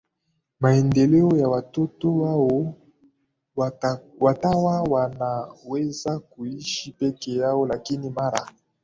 maendeleo ya watoto wao Watawa wanaweza kuishi peke yao lakini mara